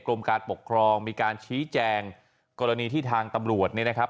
การปกครองมีการชี้แจงกรณีที่ทางตำรวจเนี่ยนะครับ